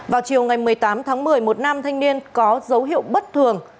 vào chiều ngày một mươi tám tháng một mươi một nam thanh niên có dấu hiệu bất thường